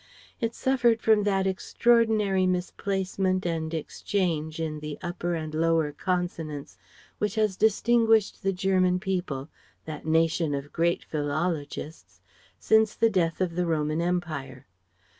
It suffered from that extraordinary misplacement and exchange in the upper and lower consonants which has distinguished the German people that nation of great philologists since the death of the Roman Empire.